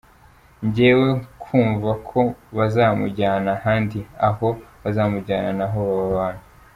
Njyewe kumva ko bazamujyana ahandi aho bazamujyana naho haba abantu.